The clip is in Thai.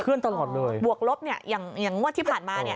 เคลื่อนตลอดเลยบวกลบเนี่ยอย่างงวดที่ผ่านมาเนี่ย